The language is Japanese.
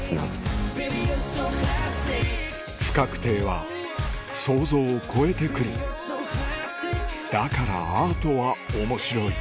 不確定は想像を超えて来るだからアートは面白い